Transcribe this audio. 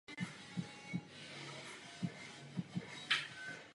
Plnila funkci hradního kostela a zámecké kaple.